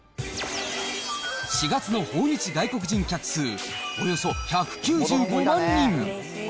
４月の訪日外国人客数、およそ１９５万人。